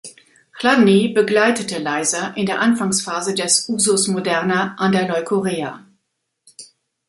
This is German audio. Chladni begleitete Leyser in der Anfangsphase des „Usus moderna“ an der Leucorea.